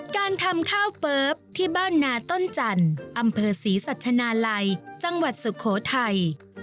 การทำข้าวเปิ๊บที่บ้านนาต้นจันทร์อำเภอศรีสัชนาลัยจังหวัดสุโขทัย